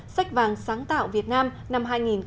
sách vàng sáng tạo việt nam năm hai nghìn một mươi chín